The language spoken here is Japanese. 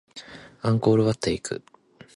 アンコールワットへ行く